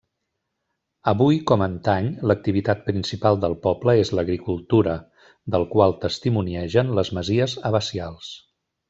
Avui com antany, l'activitat principal del poble és l'agricultura, del qual testimoniegen les masies abacials.